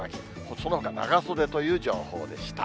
そのほか長袖という情報でした。